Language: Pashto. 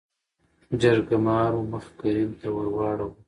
جرګمارو مخ کريم ته ورواړو .